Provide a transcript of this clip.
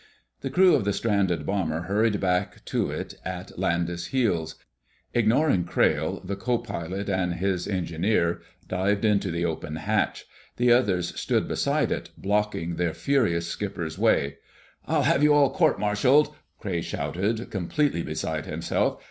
The crew of the stranded bomber hurried back to it at Landis' heels. Ignoring Crayle, the co pilot and his engineer dived into the open hatch. The others stood beside it, blocking their furious skipper's way. "I'll have you all court martialed!" Crayle shouted, completely beside himself.